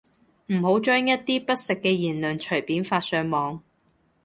唔好將一啲不實嘅言論隨便發上網